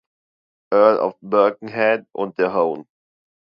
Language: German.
Earl of Birkenhead, und der Hon.